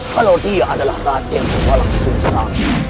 kalau dia adalah radek kebalang susah